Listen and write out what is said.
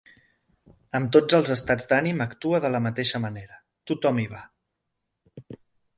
Amb tots els estats d’ànim actua de la mateixa manera; tothom hi va.